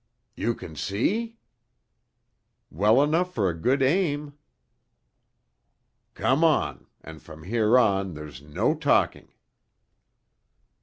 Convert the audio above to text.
"You can see?" "Well enough for a good aim." "Come on, and from here on there's no talking."